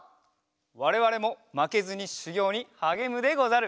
われわれもまけずにしゅぎょうにはげむでござる。